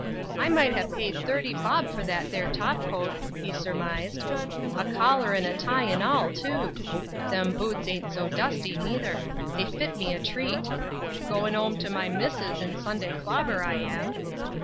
"I might ha' paid thirty bob for that there top coat," he surmised. "A collar an' a tie an' all, too! Them boots ain't so dusty, neither: they fit me a treat. Goin' 'ome to my missus in Sunday clobber, I am."